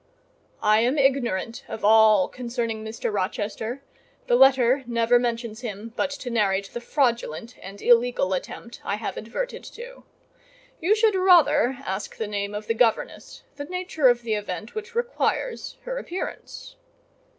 "I am ignorant of all concerning Mr. Rochester: the letter never mentions him but to narrate the fraudulent and illegal attempt I have adverted to. You should rather ask the name of the governess—the nature of the event which requires her appearance."